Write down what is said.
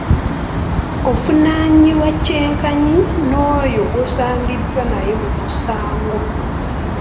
Ovunanibwa kye nkanyi n’oyo gw’osangiddwa naye mu musango.